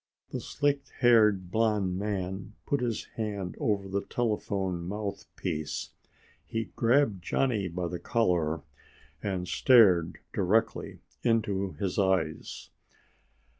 The slick haired blond man put his hand over the telephone mouthpiece. He grabbed Johnny by the collar and stared directly into his eyes.